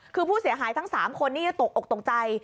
คือผู้เสียหายทั้ง๓คนนี้จะตกอกตกใจ